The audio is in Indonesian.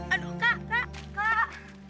aduh kak kak kak